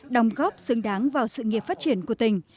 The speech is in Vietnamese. đồng góp xứng đáng vào sự nghiệp phát triển của tỉnh